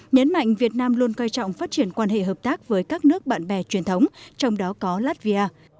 nhấn mạnh việt nam luôn coi trọng phát triển quan hệ hợp tác với các nước bạn bè truyền thống trong đó có latvia